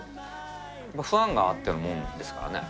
ファンがあってのものですからね。